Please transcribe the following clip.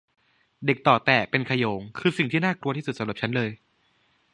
เด็กเตาะแตะเป็นขโยงคือสิ่งที่น่ากลัวที่สุดสำหรับฉันเลย